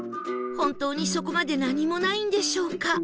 本当にそこまで何もないんでしょうか？